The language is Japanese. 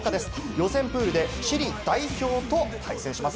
予選プールでチリ代表と対戦します。